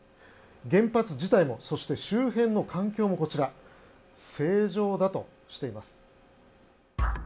原発自体もそして周辺の環境も正常だとしています。